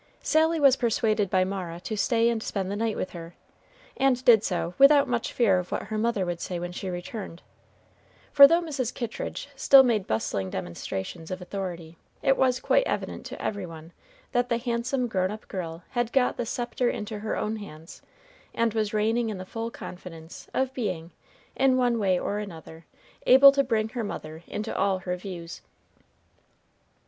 Sally was persuaded by Mara to stay and spend the night with her, and did so without much fear of what her mother would say when she returned; for though Mrs. Kittridge still made bustling demonstrations of authority, it was quite evident to every one that the handsome grown up girl had got the sceptre into her own hands, and was reigning in the full confidence of being, in one way or another, able to bring her mother into all her views.